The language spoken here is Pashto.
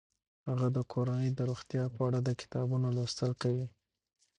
هغه د کورنۍ د روغتیا په اړه د کتابونو لوستل کوي.